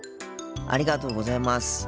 ありがとうございます。